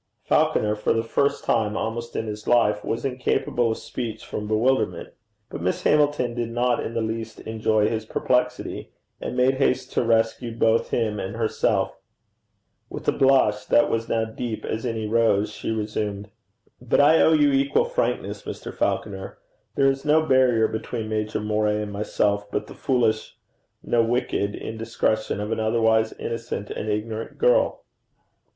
Falconer, for the first time almost in his life, was incapable of speech from bewilderment. But Miss Hamilton did not in the least enjoy his perplexity, and made haste to rescue both him and herself. With a blush that was now deep as any rose, she resumed, 'But I owe you equal frankness, Mr. Falconer. There is no barrier between Major Moray and myself but the foolish no, wicked indiscretion of an otherwise innocent and ignorant girl.